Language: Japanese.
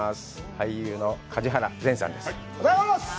俳優の梶原善さんです。